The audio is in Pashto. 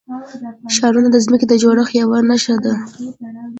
ښارونه د ځمکې د جوړښت یوه نښه ده.